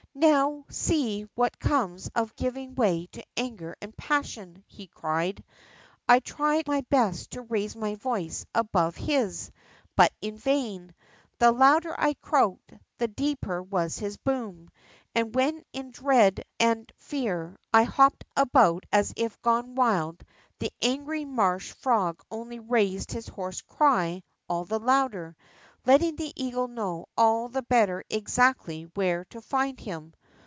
I^ow see what comes of giving way to anger and passion !" he cried. I tried my best to raise my voice above his, but in vain. The louder I croaked, the deeper was his boom, and when in dread and fear I hopped about as if gone wild, the angry marsh frog only raised his hoarse cry all the louder, letting the eagle know all the better exactly where to find him.